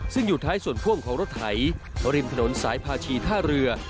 ซึ่งอยู่ท้ายส่วนพ่วงของรถไถริมถนนสายพาชีท่าเรือ